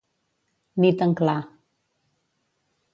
Nit en clar.